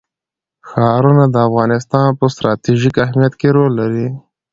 ښارونه د افغانستان په ستراتیژیک اهمیت کې رول لري.